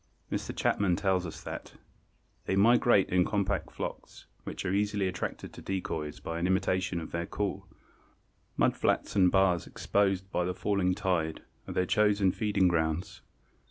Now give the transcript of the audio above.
Mr. Chapman tells us that "they migrate in compact flocks, which are easily attracted to decoys by an imitation of their call. Mud flats and bars exposed by the falling tide are their chosen feeding grounds.